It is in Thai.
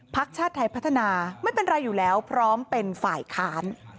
ชาติไทยพัฒนาไม่เป็นไรอยู่แล้วพร้อมเป็นฝ่ายค้าน